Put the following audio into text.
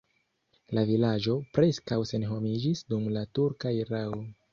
La vilaĝo preskaŭ senhomiĝis dum la turka erao.